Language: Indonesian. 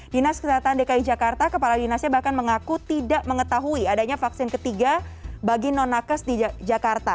dinas kesehatan dki jakarta kepala dinasnya bahkan mengaku tidak mengetahui adanya vaksin ketiga bagi non nakas di jakarta